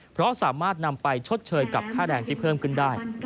เพราะสามารถนำไปชดเชยกับค่าแรงที่เพิ่มขึ้นได้